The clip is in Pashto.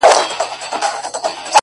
چي زه به څرنگه و غېږ ته د جانان ورځمه؛